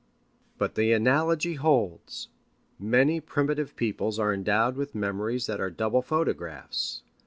But the analogy holds. Many primitive peoples are endowed with memories that are double photographs.